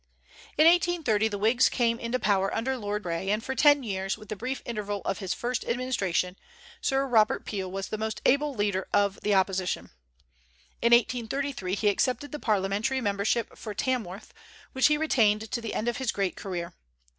In 1830 the Whigs came into power under Lord Grey, and for ten years, with the brief interval of his first administration, Sir Robert Peel was the most able leader of the opposition. In 1833 he accepted the parliamentary membership for Tamworth, which he retained to the end of his great career.